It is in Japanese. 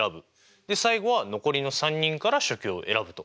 で最後は残りの３人から書記を選ぶと。